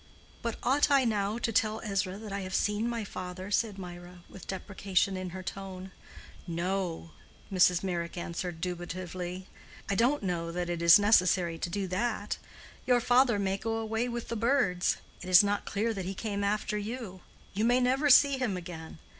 "But ought I now to tell Ezra that I have seen my father?" said Mirah, with deprecation in her tone. "No," Mrs. Meyrick answered, dubitatively. "I don't know that it is necessary to do that. Your father may go away with the birds. It is not clear that he came after you; you may never see him again.